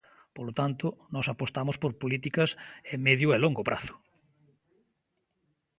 Polo tanto, nós apostamos por políticas e medio e longo prazo.